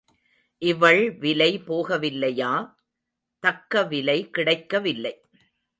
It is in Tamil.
இவள் விலை போகவில்லையா? தக்க விலை கிடைக்கவில்லை.